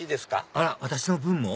あら私の分も？